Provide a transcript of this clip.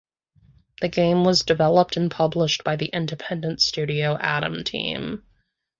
The game was developed and published by the independent studio Atom Team.